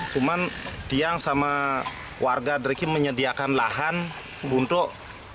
cuma dia sama warga dari sini menyediakan lahan untuk